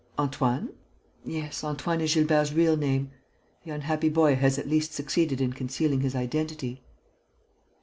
"Antoine?" "Yes, Antoine is Gilbert's real name. The unhappy boy has at least succeeded in concealing his identity."